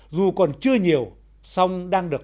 dù còn chưa nhiều song đang được